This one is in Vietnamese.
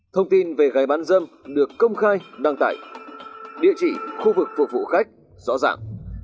thông tin về gái bán dâm được công khai đăng tải địa chỉ khu vực phục vụ khách rõ ràng